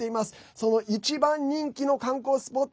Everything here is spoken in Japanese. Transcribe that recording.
その一番人気の観光スポット